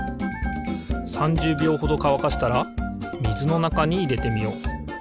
３０びょうほどかわかしたらみずのなかにいれてみよう。